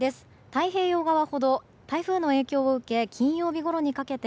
太平洋側ほど台風の影響を受け金曜日ごろにかけて